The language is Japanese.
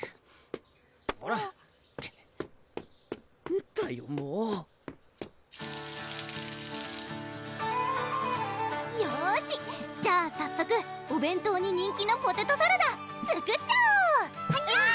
ほらんだよもうよしじゃあ早速お弁当に人気のポテトサラダ作っちゃおう！はにゃー！